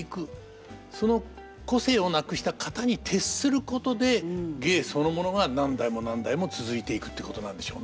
その個性をなくした型に徹することで芸そのものが何代も何代も続いていくっていうことなんでしょうね。